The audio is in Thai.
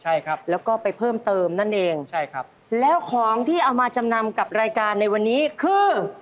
ใช่ครับแล้วก็ไปเพิ่มเติมนั่นเองใช่ครับแล้วของที่เอามาจำนำกับรายการในวันนี้คือ